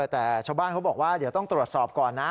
แต่ชาวบ้านเขาบอกว่าเดี๋ยวต้องตรวจสอบก่อนนะ